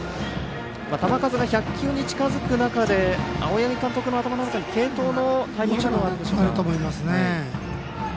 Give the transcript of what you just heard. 球数が１００球に近づく中で青柳監督の頭の中に継投のタイミングはあると思います。